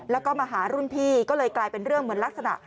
แล้วก็มาหารุ่นพี่ก็เลยกลายเป็นเรื่องเหมือนลักษณะ